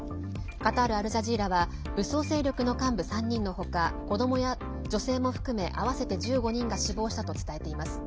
カタール・アルジャジーラは武装勢力の幹部３人のほか子どもや女性も含め合わせて１５人が死亡したと伝えています。